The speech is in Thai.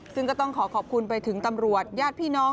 ซึ่งก็ต้องขอขอบคุณไปถึงตำรวจญาติพี่น้อง